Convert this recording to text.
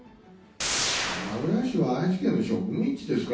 名古屋市は愛知県の植民地ですか？